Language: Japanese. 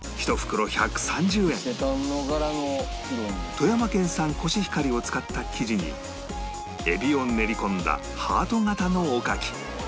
富山県産コシヒカリを使った生地にえびを練り込んだハート形のおかき